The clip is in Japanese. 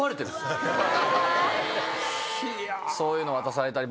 そういうの渡されたり。